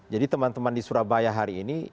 jadi teman teman di surabaya hari ini